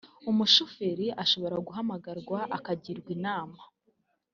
umushoferi ashobora guhamagarwa akagirwa inama